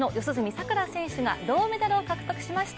さくら選手が銅メダルを獲得しました。